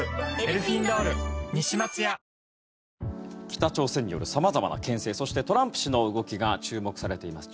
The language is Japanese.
北朝鮮による様々なけん制そして、トランプ氏の動きが注目されています